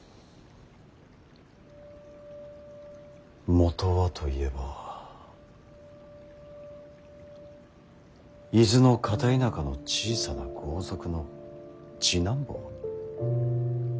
元はといえば伊豆の片田舎の小さな豪族の次男坊。